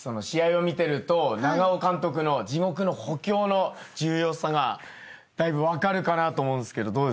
試合を見てると長尾監督の地獄の補強の重要さがだいぶ分かると思うんですけど。